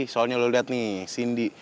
soalnya lo liat nih cindy